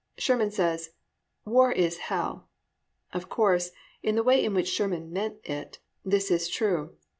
Sherman said, "War is hell." Of course, in the way in which Sherman meant it, this is true.